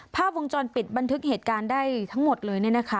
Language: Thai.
ภาพวงจรปิดบันทึกเหตุการณ์ได้ทั้งหมดเลย